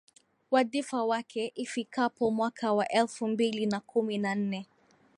wadhifa wake ifikapo mwaka wa elfu mbili na kumi na nne